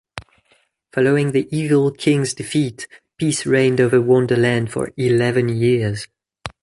Following the evil King's defeat, peace reigned over Wonder Land for eleven years.